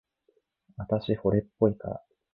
あたし、惚れっぽいから。